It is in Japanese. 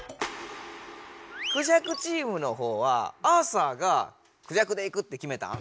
クジャクチームのほうはアーサーがクジャクでいくってきめたん？